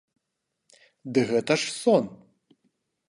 Ды гэта ж сон!..